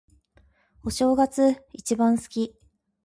お正月、一番好き。